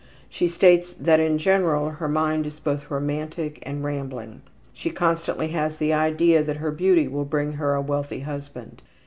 She states that in general her mind is both romantic and rambling. She constantly has the idea that her beauty will bring her a wealthy husband.